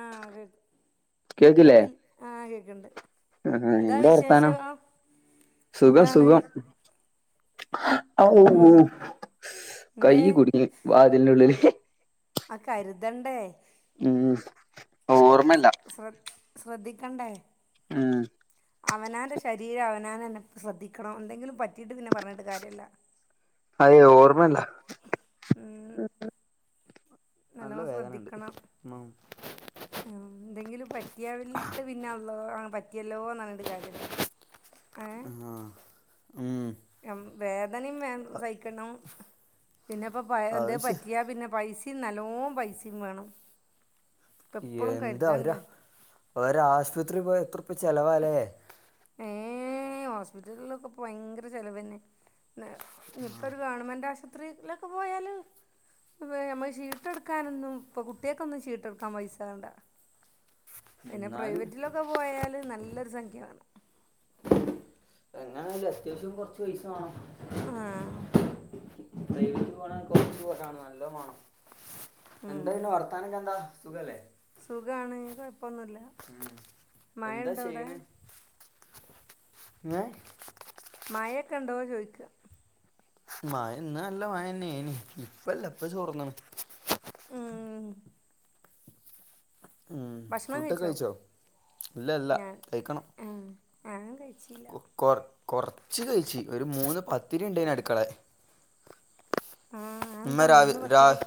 ആഹ് അതെ കേക്കില്ലേ കേൾക്കിൽ ആഹ് കേക്ക്ണ്ട് ആഹ് എന്താ വർത്താനം വിശേഷം ആ സുഖം സുഖം ഉം എന്തേ കയ്യ് കുടുങ്ങി വാതിൽന്റുള്ളില് ആ കരുതണ്ടേ ഉം ഓർമ്മല്ല ശ്രദ് ശ്രദ്ധിക്കണ്ടേ ആഹ് അവനവന്റെ ശരീരം അവനവൻ തന്നെ ശ്രദ്ധിക്കണം എന്തെങ്കിലും പറ്റിയിട്ട് പിന്നെ പറഞ്ഞിട്ട് കാര്യല്ല അതെ ഓർമ്മല്ല ഉം നല്ല നല്ലോണം വേദനുണ്ട് ഉം ആ എന്തെങ്കിലും പറ്റിയാവലിട്ട് പിന്നെ അല്ലോ പറ്റിയല്ലോ എന്നറഞ്ഞിട്ടു കാര്യല്ല ആഹ് ഉം അം വേദനയും സഹിക്കണം പിന്നെപ്പ പ എന്ത് അത് ശെ പറ്റിയ പിന്നെ പൈസ നല്ലോം പൈസേം വേണം ഇപ്പം എപ്പോഴും എന്താ കരുതണ്ടേ അവരാ ആസ്പത്രിയിൽ പോയാ എത്ര ചെലവാല്ലേ ഏഹ് ഹോസ്പിറ്റലിലൊക്കെ ഭയങ്കര ചെലവന്നെ ഇനി ഇപ്പൊ ഒരു ഗവൺമെന്റ് ആശുപത്രില് [inaudible] ഇ ഞമ്മള് ചീട്ടെടുക്കാനൊന്നും ഇപ്പൊ കുട്ടികക്കൊന്നും ചീട്ടെടുക്കാൻ പൈസ വേണ്ട പിന്നെ എന്നാലും പ്രൈവറ്റിലൊക്കെ പോയാല് നല്ലൊരു സംഖ്യ വേണം എങ്ങനായാലും അത്യാവശ്യം കുറച്ച് പൈസ വേണം ആഹ് [inaudible] എന്താ പിന്നെ വർത്താനൊക്കെ എന്താ സുഖല്ലേ സുഖാണ് കൊയപ്പൊന്നുല്ല ഉം എന്താ ചെയ്യണേ ഏഹ് മായൊക്കൊണ്ടോ ചോയ്ക്കാ മയ ഇന്ന് നല്ല മായന്നെനി ഇപ്പല്ല ഇപ്പ ചോർന്നാണ് ഉം ഉം ഫുഡൊക്കെ കഴിച്ചോ ഇല്ല ഇല്ല കയ്ക്കണം ഉം ഞാനും കഴിച്ചില്ല കു കുറച്ച് കഴിച്ച് ഒരു മൂന്ന് പത്തിരി ഇണ്ടേന് അടുക്കളേ ആ എന്താ ഉമ്മ രാ മൂന്ന് രാ പത്തില്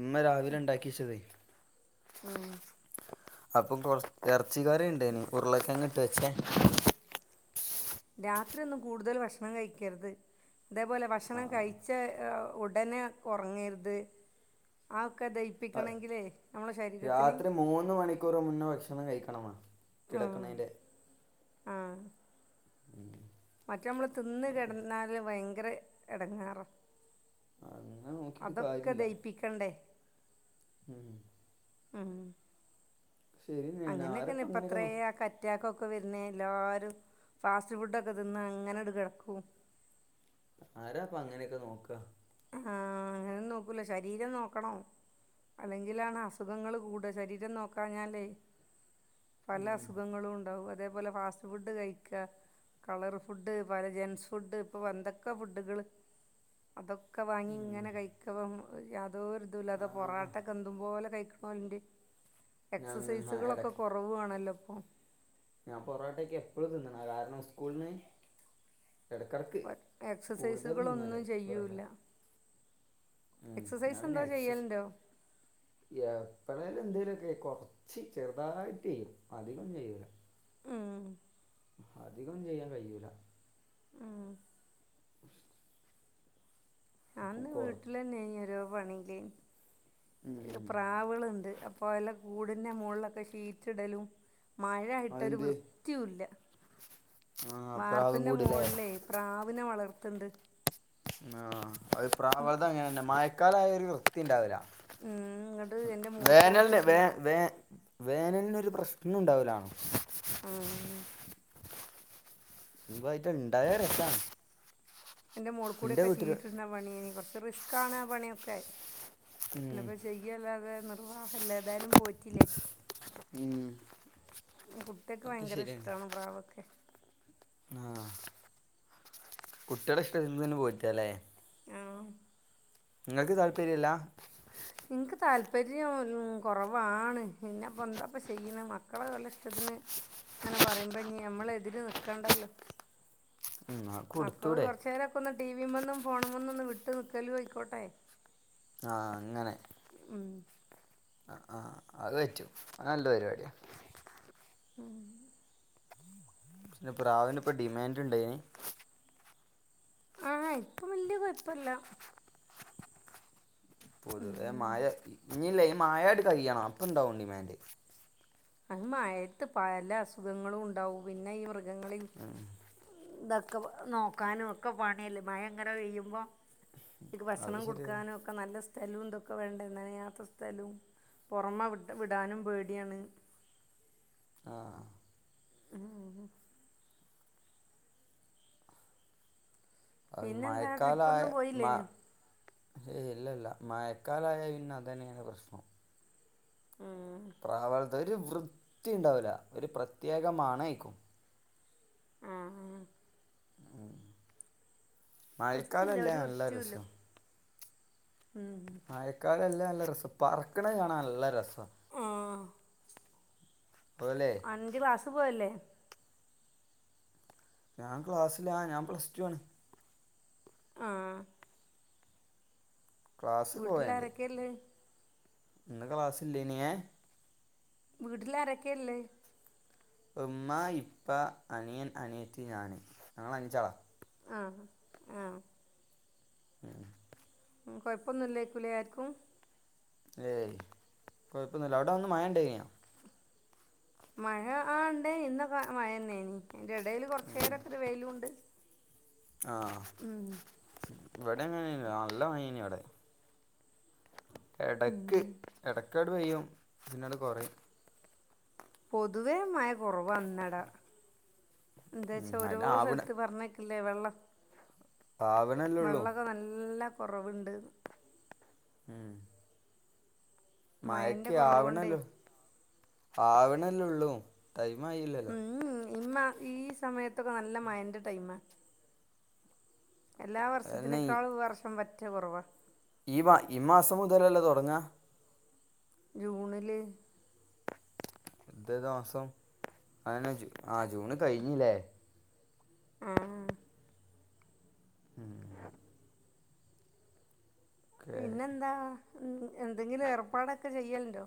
ഉമ്മ രാവിലെ ഇണ്ടാക്കിച്ചതാ ആഹ് അപ്പൊ കൊ ഇറച്ചിക്കറി ഇണ്ടേനി ഉരുളക്കിയങ്ങിട്ട് വച്ചേ രാത്രി ഒന്നും കൂടുതല് ഭക്ഷണം കഴിക്കരുത് ഇതേപോലെ ആ ഭക്ഷണം കഴിച്ച ഉടനെ ഉറങ്ങരുത് ആ ഒക്കെ അത് ദഹിപ്പിക്കണെങ്കിലേ നമ്മള ശരീരത്തിന് രാത്രി മൂന്ന് മണിക്കൂറ് മുന്നേ ഭക്ഷണം കഴിക്കണന്ന ആ കിടക്കുന്നതിൻ്റെ ഉം മറ്റെ നമ്മള് തിന്ന് കിടന്നാല് ഭയങ്കര എടങ്ങേറാ അങ്ങനെ നോക്കിയിട്ട് അതൊക്കെ കാര്യമില്ല ദഹിപ്പിക്കണ്ടേ ഉം മ് ശരി തന്നെയാണ് അങ്ങനെക്കന്നെ ആരാപ്പം ഇപ്പൊ അങ്ങനെയൊക്കെ അത്രേ നോ ആൾക്കാ അറ്റാക്കൊക്കെ വരുന്നേ എല്ലാവരും ഫാസ്റ്റ് ഫുഡൊക്കെ തിന്ന് അങ്ങനെണ്ട് കിടക്കും ആരാപ്പോ അങ്ങനെയൊക്കെ നോക്കാ ആഹ് അങ്ങനെന്നും നോക്കൂല ശരീരം നോക്കണം അല്ലെങ്കിലാണ് അസുഖങ്ങള് കൂടാ ശരീരം നോക്കാഞ്ഞാലെയ് പല ഉം അസുഖങ്ങളും ഉണ്ടാവും അതേപോലെ ഫാസ്റ്റ് ഫുഡ് കഴിക്ക കളർ ഫുഡ് പല ജെൻസ് ഫുഡ് ഇപ്പൊ എന്തൊക്കെ ഫുഡുകള് അതൊ ഒക്കെ വാങ്ങി ഉം ഇങ്ങനെ കഴിക്കവം യാതോരു ആ തുല്ലാതെ പൊറാട്ടൊക്കെ എന്തു പോലെ കഴിക്ക്ണോലുണ്ട് [inaudible] ആ എക്സസൈസുകളൊക്കെ ഇടയ്ക്ക് കൊറവു ആണല്ലോ ഇപ്പം ഞാൻ പൊറോട്ടക്കെ എപ്പളും തിന്ന്ണതാ കാരണം സ്കൂളിന്ന് എടക്കെടക്ക് കൂടുതലും തിന്നല് എക്സസൈസുകളൊന്നും പൊറാട്ടെ ചെയ്യൂല്ല ഉം ഞാൻ പിന്നെ എക്സസൈസ് അതന്നെ എന്തോ എക്സസ് ചെയ്യലുണ്ടോ എപ്പളേലും എന്തേലൊക്കെയ് കൊറച്ച് ചെറുതായിട്ടെയ്. അധികൊന്നും ചെയ്യൂല്ല ഉം അധികൊന്നും ചെയ്യാൻ കയ്യൂല ആഹ് അപ്പം ഞാന്ന് കുറ വീട്ടിലന്നേനി ഓരോ പണീല് ഉം. പ്രാവ്കള്ണ്ട് അപ്പോ എല്ലാം കൂടിൻ്റെ മോളിലൊക്കെ ഷീറ്റ് ഇടലും മഴായിട്ടൊരു അതെന്ത് വൃത്തിയുല്ല ആ പ്രാവും വാർപ്പിന്റെ കൂടില്ലേ മോളിലെയ് പ്രാവിനെ വളർത്ത്ണ്ട് ആഹ് അത് പ്രാവേൾത് അങ്ങനെന്നെ മഴക്കാലായാ ഒരു വൃത്തി ഇണ്ടാവുല്ല ഇങ്ങോട്ട് എൻ്റെ മോളിൽ കൂടെയൊക്കെ വേനൽന് ഷീ വേ വേ വേനലിനൊരു പ്രശ്നുണ്ടാവുലാണും ആഹ് ലീവായിട്ട് ഇണ്ടായാ രസാണ് അയിന്റെ മോള് ഇന്റെ കൂടെക്കെ വീട്ടില് ഷീറ്റ് ഇട്ണ പണിയേനി കൊറച്ച് റിസ്ക്കാണ് ആ പണി ഒക്കെ ഉം പിന്നെപ്പം ചെയ് യ്യല്ലാതെ നിർവാഹല്ല ഏതായാലും പോയി റ്റിലേ ഉം കുട്ടിയേൾക്ക് അതൊക്കെ ഭയങ്കര ശരിയാണ് ഇഷ്ടാണ് പ്രാവൊക്കെ ആഹ് കുട്ടിയേളെ ഇഷ്ടത്തിന്നന്നെ പോറ്റാ ലെ ആഹ് ഇങ്ങക്ക് താല്പര്യല്ല ഇൻക്ക് താല്പര്യം കൊറവാണ് പിന്നെപ്പൊ എന്താപ്പൊ ചെയ്യ്ണ് മക്കളെ വല്ല ഇഷ് ഇഷ്ടത്തിന് ഇങ്ങനെ പറയുമ്പഞ്ഞ് നമ്മളെതിര് നിക്കണ്ടല്ലോ ഉം അത് മക്കള് കൊടുത്തൂടെ കൊറച്ചേരൊക്കൊന്ന് ടി വിമ്മന്നും ഫോണുമ്മന്നൊന്ന് വിട്ട് നിക്കലും അയ്ക്കോട്ടെ ആഹ് അങ്ങനെ ഉം അഹ് ആഹ് അത് പറ്റും അത് നല്ല പരിപാടിയാ ഉം അയിന് പ്രാവിനിപ്പം ഡിമാന്റ്ണ്ടയ്ന് ആഹ് ഇപ്പം വല്ല്യ കൊയപ്പല്ല പൊതുവെ ഉം മയ ഇഞ്ഞില്ലേ ഈ മഴേണ്ട് കഴിയണം അപ്പണ്ടാവും ഡിമാൻഡ് അങ്ങ് മഴേത്ത് പല അസുഖങ്ങളും ഉണ്ടാവും പിന്നെ ഈ മൃഗങ്ങളിം [unintelligible] ഇതൊക്കെ നോക്കാനും ഒക്കെ പണിയല്ലേ മഴങ്ങനെ പെയ്യുമ്പം [unintelligible] ക്ക് അത് ഭക്ഷണം ശരിയാണ് കൊടുക്കാനും ഒക്കെ നല്ല സ്ഥലും ഇതൊക്കെ വേണ്ടേ നനയാത്ത സ്ഥലും പൊറമെ വി വിടാനും പേടിയാണ് ആഹ് ഉം ഉം അത് പിന്നെന്താ ട്രിപ്പൊന്നും മയക്കാലയാ മ പോയില്ലേനോ ഏയ് അല്ലല്ല മയക്കാലായാ പിന്നെ അതെന്നെണ് പ്രശ്നം. ഉം പ്രാവൾത്ത് ഒര് വൃത്തിണ്ടാവൂല്ല ഒരു പ്രത്യേക മണ്യെയ്ക്കും. ആഹ് വൃത്തില്ല മഴക്കാലമല്ലേ ഒരു നല്ല വൃത്ത്യൂല്ല. രസം ഉം മായക്കാലല്ലേ നല്ല രസം പറക്ക്ണെ കാണാ നല്ല രസാ. ആഹ് പോലേ അന്ന്ട്ട് ക്ലാസ്സ് പോവല്ലേ ഞാൻ ക്ലാസ്സിലാ ഞാൻ പ്ലസ് ടൂ ആണ്. ആഹ് ക്ലാസ് പോയുണ്ട് വീട്ടിലാരെക്കെള്ളേ? ഇന്ന് ക്ലാസ്സില്ലേനി. ഏഹ്? വീട്ടില്ലാരെക്കെള്ളേ? ഉമ്മ, ഇപ്പ, അനിയൻ, അനിയത്തി, ഞാന് ഞങ്ങള് അഞ്ചാളാ. ആഹ് ആഹ് ഉം ഉം കൊയപ്പൊന്നുല്ലേയ്കുലേ ആര്ക്കും? ഏയ് കൊയപ്പോന്നുല്ല അവടെ അന്ന് മഴണ്ടേന്യോ? മഴ ആഹ് ഇണ്ടേനി ഇന്നൊക്കെ മഴന്നേനി. അയ്ന്റെടേല് കൊർച്ചേരൊക്കൊരു വെയിലുണ്ട്. ആഹ് ഉം, ഇവട്യങ്ങനെ നേനി അല്ല മഴേനിവടെ. ഉം. എടക്ക് എടക്കട് പെയ്യും പിന്നണ്ട് കൊറയും. പൊതുവേ മഴ കൊറവന്നെടാ എന്താച്ചാ ഓരോ അതിനാവണ സ്ഥല്ത്ത് പർഞ്ഞെക ഇല്ലേ വെള്ളം ആവണല്ലേള്ളൂ വെള്ളോക്കെ നല്ല കൊറവ്ണ്ട്ന്ന്. ഉം മഴൻ്റെ മഴക്ക് കുറവ് കൊണ്ടേ ആവ്ണല്ലോ ആവ്ണല്ലൊള്ളൂ ടൈംമായില്ലല്ലോ. ഉം, ഇമ്മ ഈ സമയത്തൊക്കെ നല്ല മഴന്റെ ടൈമാ. എല്ലാ വർഷത്തിനേക്കാളും ഈ വർഷം പറ്റ കൊറവാ ഈ വാ ഈ മാസം മുതലല്ലേ തൊടങ്ങാ. ജൂണില് ഇതേതാ മാസം ആനെ ജൂ ആ ജൂണ് കഴിഞ്ഞില്ലേ. ആഹ് ഉം ഓക്കെ പിന്നെന്താ ഉം എന്തെങ്കിലും ഏർപ്പാടൊക്കെ ചെയ്യല്ണ്ടോ?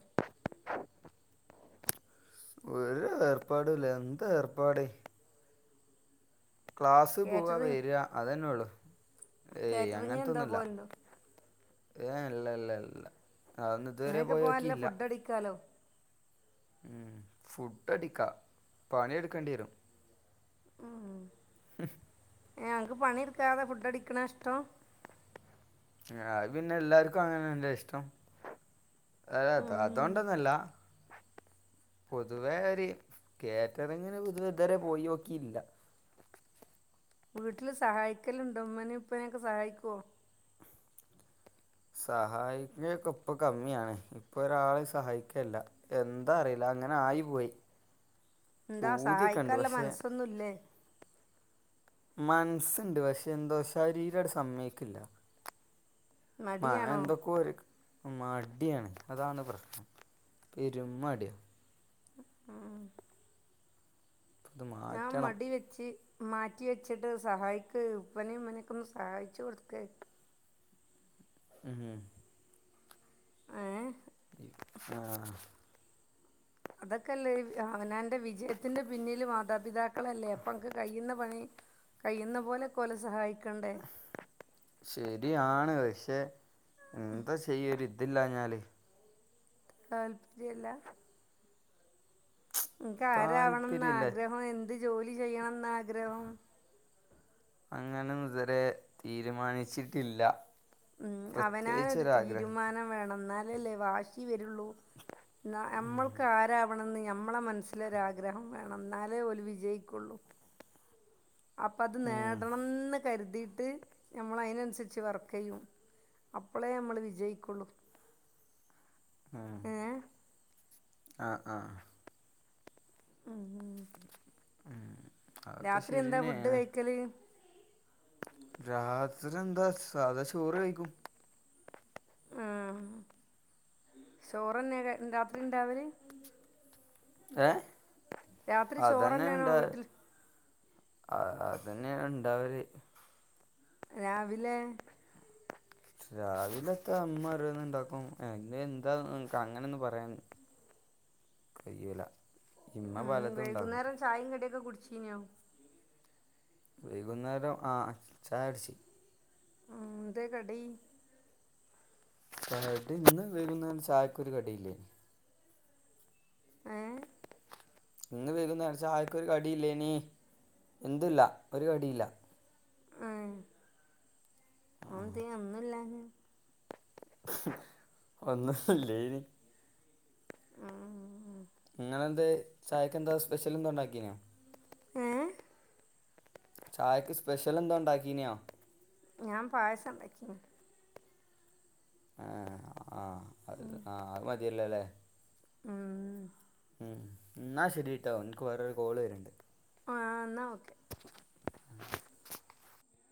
ഒര് ഏർപ്പാടുല്ല എന്തേർപ്പാട് ക്ലാസ് പോവാ കാറ്ററിംഗ് വെരാ അതെന്നൊള്ളു ഏയ് കാറ്ററിങ്ങിന് എന്താ അങ്ങൻത്തൊന്നുല്ല. പോകലുണ്ടോ ഏഹ് ഇല്ല ല്ല ല്ല അതൊന്നുതരെ അങ്ങനെയൊക്കെ പോകാൻ നല്ല പോയോക്കില്ല. ഫുഡ് അടിക്കാലോ ഉം ഫുഡടിക്കാ പണിട്ക്കെണ്ട്യരും. ഉം [inaudible] ഏഹ് ങ്ങക്ക് പണി എടുക്കാതെ ഫുഡ് അടിക്കണ ഇഷ്ടം ഏഹ് അത് പിന്നെ എല്ലാർക്കും അങ്ങനതന്നല്ലേ ഇഷ്ടം ഏ അത് ഉം. അതുകൊണ്ടൊന്നല്ല പൊതുവെഒര് കേറ്ററിങ്ങിന് പൊതുവെ ഇതുവരെ പോയി നോക്കിയില്ല വീട്ടിൽ സഹായിക്കലുണ്ട് ഉമ്മനയും ഉപ്പനെയൊക്കെ സഹായിക്കുവോ സഹായിക്കുവേക്ക ഇപ്പ കമ്മിയാണ് ഇപ്പൊ ഒരാളെയും സഹായിക്കലില്ല എന്താ അറിയില്ല അങ്ങനെ ആയി പോയി എന്താ സഹായിക്കാനുള്ള മനസ്സൊന്നുല്ലേ മനസ്സുണ്ട് പക്ഷെ എന്തോ ശരീരംങ്ങട് സമ്മയിക്കില്ല മ മടിയാണോ എന്തൊക്കെ ഒരുക് മടിയാണ് അതാണ് പ്രശ്നം പെരുമടിയ ആഹ് ഇത് ആഹ് മാറ്റണം മടി വെ ച്ച് മാറ്റി വെച്ചിട്ട് സഹായിക്ക് ഉപ്പാനേം ഇമ്മനൊക്കെ ഒന്ന് സഹായിച്ചു കൊടുക്കെ ഉം ഏഹ് ആഹ് അതൊക്കെല്ലേ അവനവന്റെ വിജയത്തിന്റെ പിന്നില് മാതാപിതാക്കളല്ലേ അപ്പ അക്ക് കഴിയുന്ന പണി കഴിയൂന്ന പോലെ ഒക്കെ ഓലെ സഹായിക്കണ്ടേ ശരിആണ് പക്ഷെ എന്താ ചെയ്യും ഒരിതില്ലാഞ്ഞാല് [unintelligible] അനക്ക് ആരാവണംന്ന താല്പര്യമില്ല ആഗ്രഹം എന്ത് ജോലി ചെയ്യണം എന്ന ആഗ്രഹം അങ്ങനെ ഒന്നും ഇതുവരെ തീരുമാനിച്ചിട്ടില്ല ഉം അവനാനൊരു പ്രത്യേകിച്ചൊരാഗ്രഹം തീരുമാനം വേണം എന്നാലല്ലേ വാശി വരുള്ളൂ നമ്മൾക്ക് ആരാവണംമെന്ന് ഞമ്മളെ മനസ്സിലൊരാഗ്രഹം വേണം എന്നാലേ ഓൽ വിജയിക്കുള്ളൂ അപ്പൾ അത് ഉം, നേടണംന്ന് കരുതിയിട്ട് നമ്മൾ അതിനനുസരിച്ച് വർക്ക് ചെയ്യും അപ്പളേ നമ്മള് വിജയിക്കുള്ളൂ ആഹ് ഏ ആഹ് ആഹ് ഉം അതൊക്കെ രാത്രി എന്താ ഫുഡ് ശരിയാണ് കഴിക്കല് രാത്രി എന്താ സാധാ ചോറ് കഴിക്കും ആഹ് ചോറന്നെയ രാത്രി ഉണ്ടാവല് ഏഹ് രാത്രി ചോറ് അതന്നെയ തന്നെയാണോ ഇണ്ട് വീട്ടിൽ അ അതന്നെയ ഉണ്ടാവല് രാവിലെ രാവിലത്ത അമ്മ ഓരോന്ന് ഇണ്ടാക്കും അതൊക്കെ എന്താ അങ്ങനെ ഒന്നും പറയാൻ കഴിയൂല ഇമ്മ ഉം പലതും ഇണ്ടാക്കും വൈകുന്നേരം ചായയും കടിയൊക്കെ കുടിച്ചീനിയോ വൈകുന്നേരം ആഹ് ചായ കുടിച് ഉം ന്ത കടി കടി ഇന്ന് വേകുന്നരം ചായക്ക് ഒരു കടിയില്ലേനി ഏഹ് ഇന്ന് വൈകുന്നരം ചായക്കൊരു കടിയില്ലേനീ എന്തുംഇല്ല ഒരു കടിയില്ല ആഹ് [unintelligible] ഒന്നുല്ലാഞ്ഞെ ഒന്നുവില്ലേനി ഉം ഇങ്ങളെന്ത് ചായക്കെന്താ സ്പെഷ്യൽ എന്താ ഉണ്ടാക്കീന്യോ? ങേഹ്? ചായക്ക് സ്പെഷ്യൽ എന്തോ ഉണ്ടാക്കീന്യോ? ഞാൻ പായസം ഇണ്ടാക്കീനി. ഏഹ് ആഹ് അഹ് ആഹ് അത് മതിയല്ലൊ ല്ലേ. ഉം ഉം ഇന്നാ ശരിട്ടോ ഇൻക്ക് വേറൊരു കോള് വര്ണ്ട്. ആഹ് ഇന്നാ ഓ